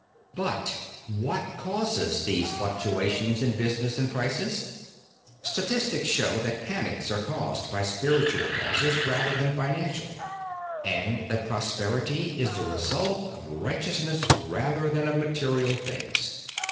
But what causes these fluctuations in business and prices? Statistics show that panics are caused by spiritual causes, rather than financial, and that prosperity is the result of righteousness rather than of material things.